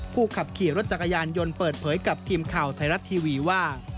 ผู้ขับขี่รถจักรยานยนต์เปิดเผยกับทีมข่าวไทยรัฐทีวีว่า